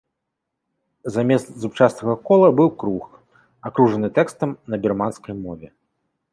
Замест зубчастага кола быў круг, акружаны тэкстам на бірманскай мове.